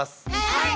はい！